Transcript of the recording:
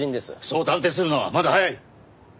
そう断定するのはまだ早い！